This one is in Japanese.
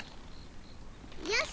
よし！